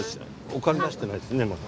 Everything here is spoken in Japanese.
お金出してないですねまだ。